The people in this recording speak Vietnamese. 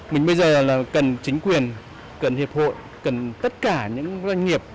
mình bây giờ là cần chính quyền cần hiệp hội cần tất cả những doanh nghiệp